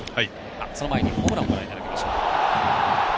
その前に、ホームランをご覧いただきましょう。